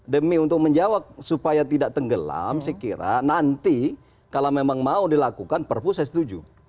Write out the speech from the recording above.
demi untuk menjawab supaya tidak tenggelam saya kira nanti kalau memang mau dilakukan perpu saya setuju